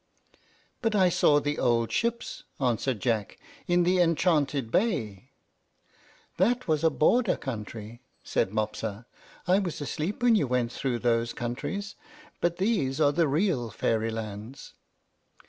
"But I saw the old ships," answered Jack, "in the enchanted bay." "That was a border country," said Mopsa. "I was asleep while you went through those countries; but these are the real Fairylands."